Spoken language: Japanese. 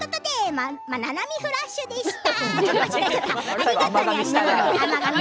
「ななみフラッシュ」でした。